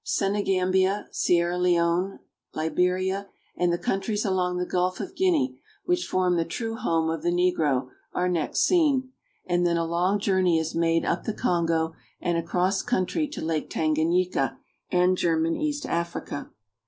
Senegambia, Sierra Leone, Liberia, and the countries along the Gulf of Guinea, which form the true home of the negro, are next seen, and then a long journey is made up the Kongo and across country to Lake Tanganyika and German East Africa.